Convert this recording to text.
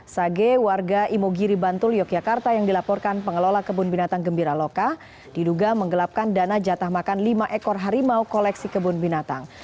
sage warga imogiri bantul yogyakarta yang dilaporkan pengelola kebun binatang gembira loka diduga menggelapkan dana jatah makan lima ekor harimau koleksi kebun binatang